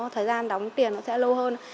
thời gian đóng tiền nó sẽ lâu hơn